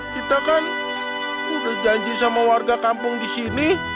kita kan udah janji sama warga kampung di sini